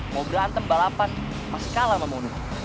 mau berantem balapan pas kalah sama mondi